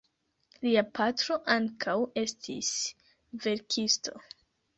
Lia patro ankaŭ estis verkisto.